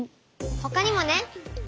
ほかにもね。